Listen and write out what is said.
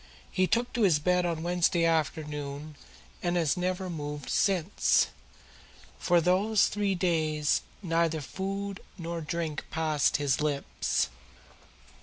He took to his bed on Wednesday afternoon and has never moved since. For these three days neither food nor drink has passed his lips."